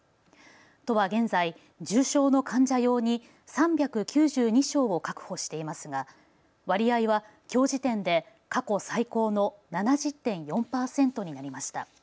都は現在、重症の患者用に３９２床を確保していますが、割合は、きょう時点で過去最高の７０．４％になりました。